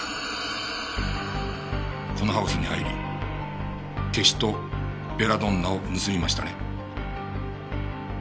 このハウスに入りケシとベラドンナを盗みましたね？